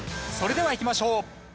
それではいきましょう。